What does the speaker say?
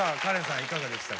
いかがでしたか？